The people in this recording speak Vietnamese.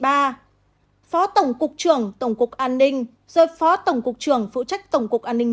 phó tổng cục trưởng tổng cục an ninh rồi phó tổng cục trưởng phụ trách tổng cục an ninh mạng